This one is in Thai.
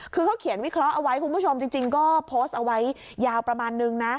คือเขาเขียนวิเคราะห์เอาไว้คุณผู้ชมจริงก็โพสต์เอาไว้ยาวประมาณนึงนะ